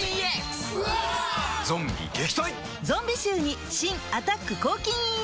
ゾンビ臭に新「アタック抗菌ＥＸ」